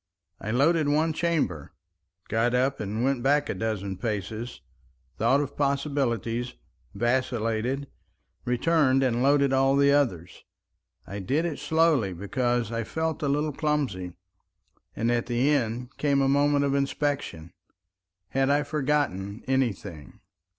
I loaded one chamber, got up and went back a dozen paces, thought of possibilities, vacillated, returned and loaded all the others. I did it slowly because I felt a little clumsy, and at the end came a moment of inspection—had I forgotten any thing?